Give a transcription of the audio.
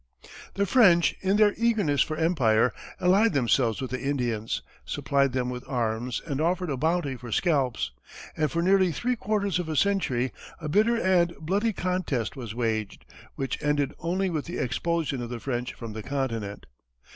The French, in their eagerness for empire, allied themselves with the Indians, supplied them with arms, and offered a bounty for scalps; and for nearly three quarters of a century, a bitter and bloody contest was waged, which ended only with the expulsion of the French from the continent.